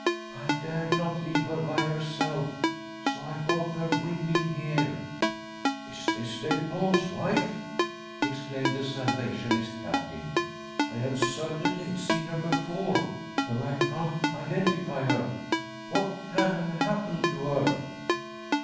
I dared : not leave her' by herself, so I brought her with me here." •■" Is this David Holm's wife? " exclaimed the Salvationist Captain. " I have certainly seen her before, though I can't identify her. What can. have happened to her